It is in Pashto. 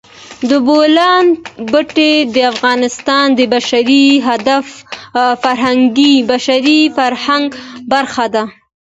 د بولان پټي د افغانستان د بشري فرهنګ برخه ده.